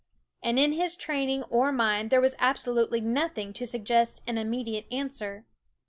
And in his training or mine there was absolutely noth ing to suggest an immediate answer.